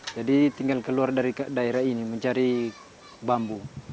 jadi tinggal keluar dari daerah ini mencari bambu